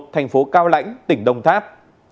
thành phố cao lãnh tỉnh đồng tháp